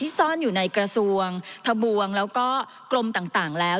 ซ่อนอยู่ในกระทรวงทะบวงแล้วก็กรมต่างแล้ว